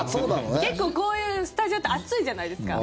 結構、こういうスタジオって暑いじゃないですか。